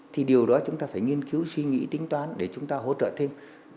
thì điều đó chúng ta phải nghiên cứu suy nghĩ tính toán để chúng ta hỗ trợ thêm